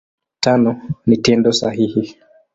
Tano ni Tendo sahihi.